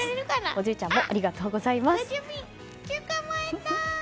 おじいちゃんもありがとうございます。